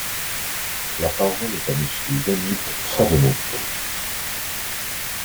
La parole est à Monsieur Yannick Favennec.